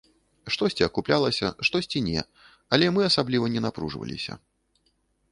Штосьці акуплялася, штосьці не, але мы асабліва не напружваліся.